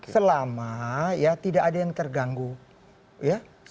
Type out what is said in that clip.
selama ya saya berada di negara negara ini